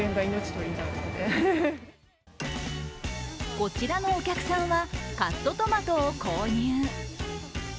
こちらのお客さんはカットトマトを購入。